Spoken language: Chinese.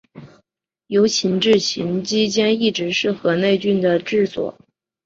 由秦至晋期间一直是河内郡的治所。